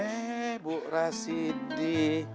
eh bu rasidi